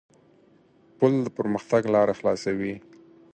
پُل د پرمختګ لاره خلاصوي.